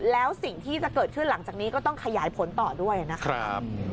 แล้วสิ่งที่จะเกิดขึ้นหลังจากนี้ก็ต้องขยายผลต่อด้วยนะครับ